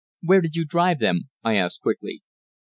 "Where did you drive them?" I asked quickly.